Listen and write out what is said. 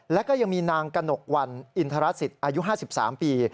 แล้วก็ยังมีนางกระหนกวันอินทรสิตอายุ๕๓ปี